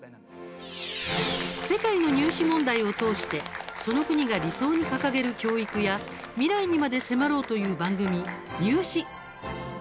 世界の入試問題を通してその国が理想に掲げる教育や未来にまで迫ろうという番組「ニュー試」。